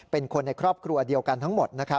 เป็นคนในครอบครัวเดียวกันทั้งหมด